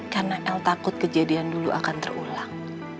karena el takut kejadian dulu akan terulang